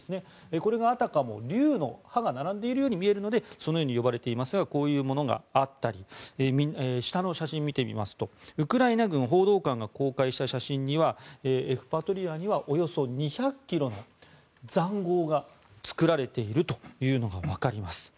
これがあたかも竜の歯が並んでいるように見えるのでそのように呼ばれていますがこういうものがあったり下の写真を見てみますとウクライナ軍報道官が後悔した写真にはエフパトリアにはおよそ２００ｋｍの塹壕が作られているのがわかります。